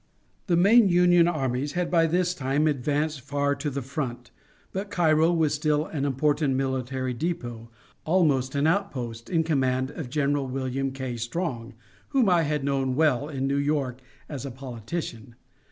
The main Union armies had by this time advanced far to the front, but Cairo was still an important military depot, almost an outpost, in command of General William K. Strong, whom I had known well in New York as a politician.